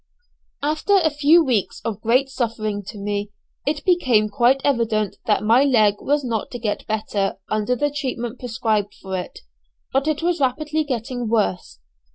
After a few weeks of great suffering to me, it became quite evident that my leg was not to get better under the treatment prescribed for it, but was rapidly getting worse.